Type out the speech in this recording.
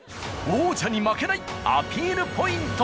王者に負けないアピールポイント。